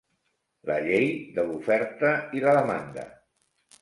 La llei de l'oferta i la demanda.